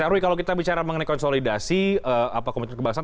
mas herwi kalau kita bicara mengenai konsolidasi apa komitmen kebangsaan